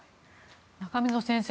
中溝先生